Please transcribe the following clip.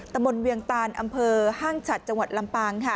ตะบนเวียงตานอำเภอห้างฉัดจังหวัดลำปางค่ะ